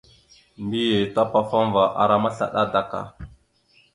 Mbiyez tapafaŋva ara maslaɗa adak.